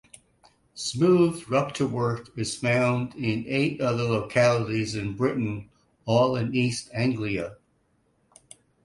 Smooth Rupturewort is found in eight other localities in Britain, all in East Anglia.